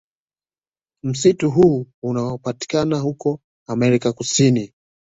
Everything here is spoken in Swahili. Msitu huu unaopatikana huko America kusini